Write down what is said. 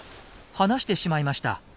離してしまいました。